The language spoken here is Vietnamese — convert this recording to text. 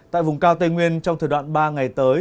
tại vùng cao tây nguyên trong thời đoạn ba ngày tới